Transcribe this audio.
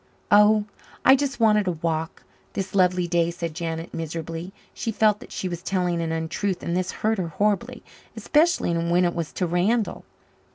"Oh I just wanted a walk this lovely day," said Janet miserably. She felt that she was telling an untruth and this hurt her horribly especially when it was to Randall.